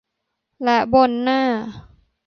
และบนหน้า